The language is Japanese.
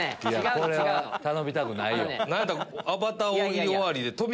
これは頼みたくないよ。